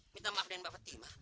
minta maafin mbak fatima